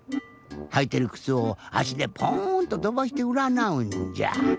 はいてるくつをあしでポーンととばしてうらなうんじゃ。